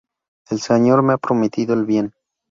El Señor me ha prometido el bien.